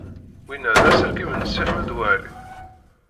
Winna d aselkim n Si Ḥmed Waɛli?